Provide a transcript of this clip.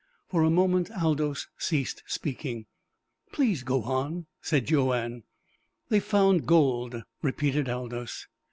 For a moment Aldous ceased speaking. "Please go on!" said Joanne. "They found gold," repeated Aldous.